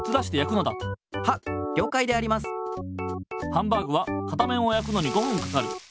ハンバーグは片面をやくのに５ふんかかる。